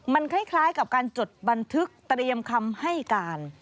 มันคล้ายกับการจดบันทึกเตรียมคำให้การ